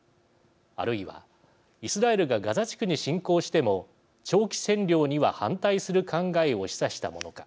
あるいは、イスラエルがガザ地区に侵攻しても長期占領には反対する考えを示唆したものか。